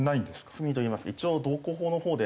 罪といいますか一応道交法のほうで。